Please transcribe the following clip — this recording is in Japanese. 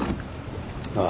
ああ。